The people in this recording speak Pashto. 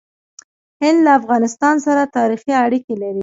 هند له افغانستان سره تاریخي اړیکې لري.